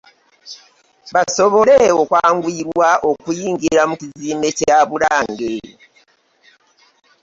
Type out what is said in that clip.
Basobole okwanguyirwa okuyingira mu kizimbe kya Bulange